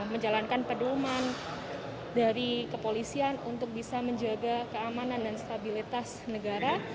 menjalankan pedoman dari kepolisian untuk bisa menjaga keamanan dan stabilitas negara